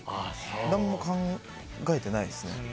何も考えてないですね。